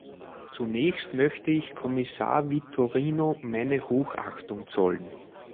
Zunächst möchte ich Kommissar Vitorino meine Hochachtung zollen.